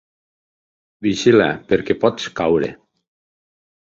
Vigila, perquè pots caure.